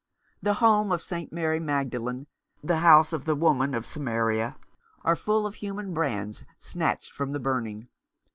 The Home of St. Mary Magdalene, the House of the Woman of Samaria, are full of human brands snatched from the burning.